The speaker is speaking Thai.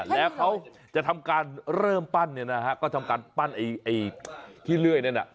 แล้วเขาจะทำการเริ่มปั้นก็ทำการปั้นไอ้ขี้เลื่อยนั่น